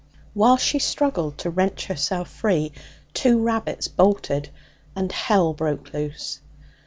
While she struggled to wrench herself free, two rabbits bolted, and hell broke loose.